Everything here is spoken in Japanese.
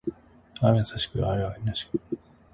愛は優しく、愛は悲しく